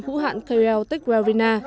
hữu hạn krl techwell rina